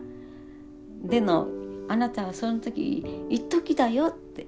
でもあなたはその時一時だよって。